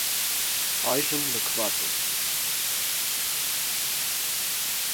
Այժմ լքված է։